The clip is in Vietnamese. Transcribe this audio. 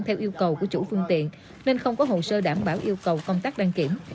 theo yêu cầu của chủ phương tiện nên không có hồ sơ đảm bảo yêu cầu công tác đăng kiểm